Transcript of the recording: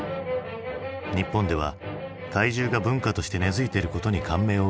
日本では怪獣が文化として根づいていることに感銘を受け